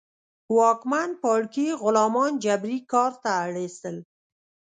واکمن پاړکي غلامان جبري کار ته اړ اېستل.